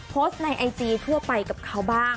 โพสต์ในไอจีทั่วไปกับเขาบ้าง